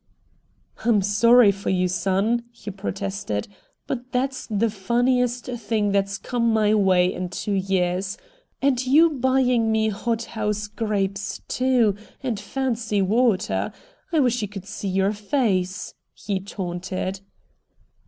"I'm sorry for you, son," he protested, "but that's the funniest thing that's come my way in two years. And you buying me hot house grapes, too, and fancy water! I wish you could see your face," he taunted.